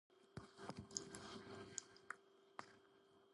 მთის ჩრდილო და აღმოსავლეთი კალთა ციცაბოა, დასავლეთი შედარებით დამრეცი.